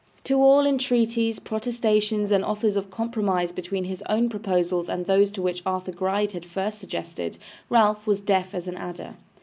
To all entreaties, protestations, and offers of compromise between his own proposals and those which Arthur Gride had first suggested, Ralph was deaf as an adder.